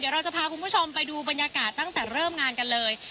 เราจะพาคุณผู้ชมไปดูบรรยากาศตั้งแต่เริ่มงานกันเลย